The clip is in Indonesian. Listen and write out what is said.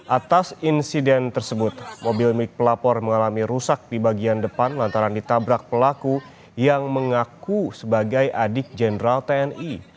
atas insiden tersebut mobil milik pelapor mengalami rusak di bagian depan lantaran ditabrak pelaku yang mengaku sebagai adik jenderal tni